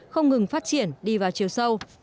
không ngừng phát triển đi vào chiều sâu